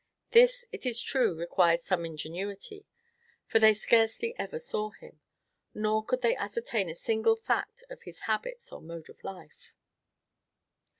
This, it is true, required some ingenuity, for they scarcely ever saw him, nor could they ascertain a single fact of his habits or mode of life.